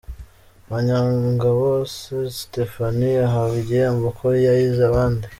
Banyangabose Stephanie, ahawe igihembo ko yahize abandi.